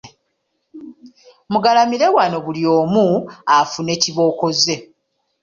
Mugalamire wano buli omu afune kibooko ze.